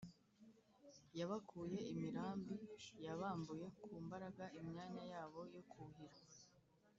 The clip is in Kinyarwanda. yabakuye imirambi: yabambuye ku mbaraga imyanya yabo yo kuhira